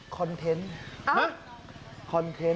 คอนเทนต์